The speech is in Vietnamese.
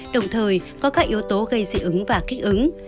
đồng thời có các yếu tố gây dị ứng và kích ứng